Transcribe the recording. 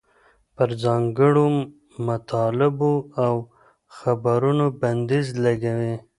پر ځانګړو مطالبو او خبرونو بندیز لګوي.